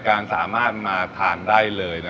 ก็เลยเริ่มต้นจากเป็นคนรักเส้น